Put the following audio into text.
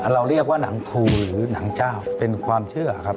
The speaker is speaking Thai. เราเรียกว่าหนังครูหรือหนังเจ้าเป็นความเชื่อครับ